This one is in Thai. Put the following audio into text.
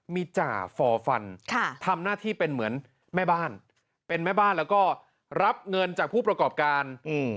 มีจ่าฟอร์ฟันทำหน้าที่เป็นเหมือนแม่บ้านเป็นแม่บ้านแล้วก็รับเงินจากผู้ประกอบการ